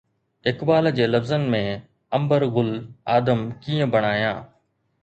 اقبال جي لفظن ۾، عنبر گل آدم ڪيئن بڻايان؟